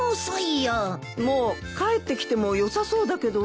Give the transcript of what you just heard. もう帰ってきてもよさそうだけどね。